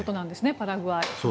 パラグアイは。